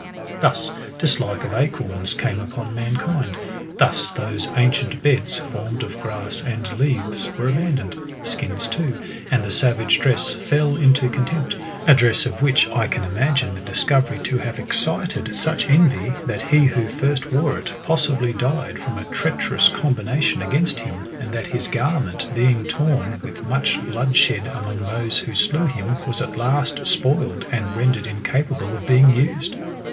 Thus dislike of acorns came upon mankind; thus those ancient beds, formed of grass and leaves, were abandoned. Skins, too, and the savage drefes, fell into contempt ; a dress of which I can imagine the discovery to have excited such envy,^ that he who first wore it, pbssihly died from a treacherous combination against him ; and that his garment, being torn, with much bloodshed, among those ivho slew him, was at last spoiled, and rendered incapable of being used.